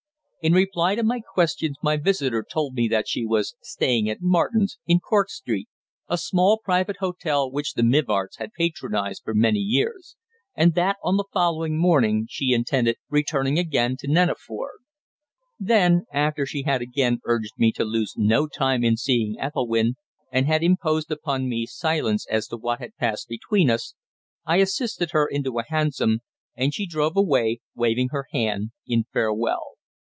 In reply to my questions my visitor told me that she was staying at Martin's, in Cork Street a small private hotel which the Mivarts had patronised for many years and that on the following morning she intended returning again to Neneford. Then, after she had again urged me to lose no time in seeing Ethelwynn, and had imposed upon me silence as to what had passed between us, I assisted her into a hansom, and she drove away, waving her hand in farewell.